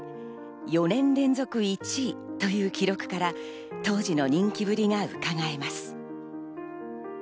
４年連続１位という記録から、当時の人気振りがうかがえます。